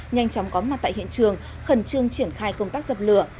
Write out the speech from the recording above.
nhanh chóng có mặt tại hiện trường khẩn trương triển khai công tác dập lửa